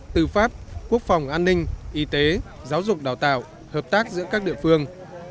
tư pháp quốc phòng an ninh y tế giáo dục đào tạo hợp tác giữa các địa phương